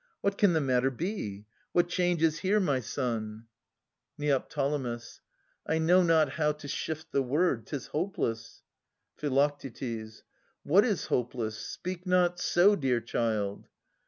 What can the matter be? What change is here. My son? 896 923] Philodetes 299 Neo. I know not how to shift the word. 'Tis hopeless. Phi. What is hopeless ? Speak not so, Dear child